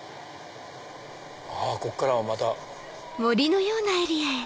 あっここからはまた。